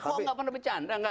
ahok nggak pernah bercanda